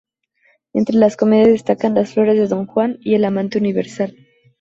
Entre las comedias destacan "Las flores de don Juan" y "El amante universal".